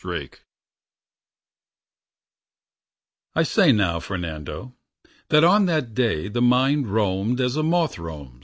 pdf I say now, Fernando, that on that day The mind roamed as a moth roams.